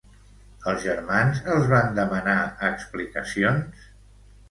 Els germans els van demanar explicacions?